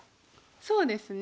そうですね。